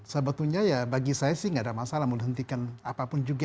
sebetulnya ya bagi saya sih nggak ada masalah menghentikan apapun juga